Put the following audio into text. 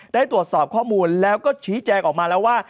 ได้ตรวจสอบข้อมูลแล้วก็ชี้แจงออกมาแล้วว่า